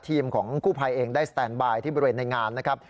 ของกู้ภัยเองได้สแตนบายที่บริเวณในงานนะครับ